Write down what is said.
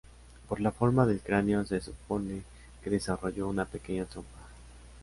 Por la forma del cráneo se supone que desarrolló una pequeña trompa.